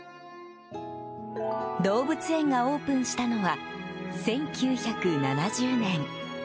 動物園がオープンしたのは１９７０年。